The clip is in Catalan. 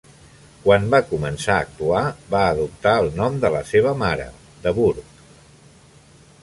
Quan va començar a actuar, va adoptar el nom de la seva mare, "de Burgh".